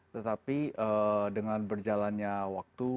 tetapi dengan berjalannya waktu